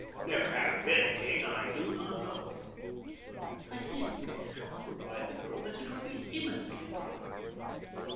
Never really having been a king, I do not know." "I think," replied the girl, "that it would be eminently proper."